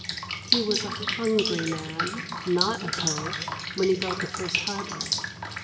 He was a hungry man, not a poet, when he built the first harbour.